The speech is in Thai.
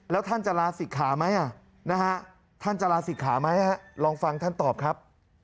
แล้วท่านจะลาศิกขาไหมท่านจะลาศิกขาไหมลองฟังท่านตอบครับ